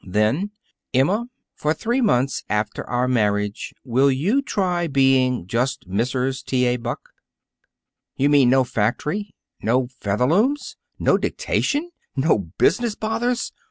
Then, "Emma, for three months after our marriage will you try being just Mrs. T. A. Buck?" "You mean no factory, no Featherlooms, no dictation, no business bothers!"